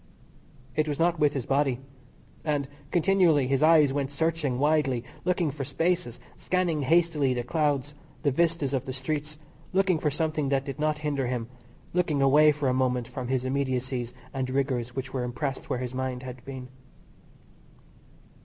It was not with his body. And continually his eyes went searching widely, looking for spaces, scanning hastily the clouds, the vistas of the streets, looking for something that did not hinder him, looking away for a moment from the immediacies and rigours which were impressed where his mind had been.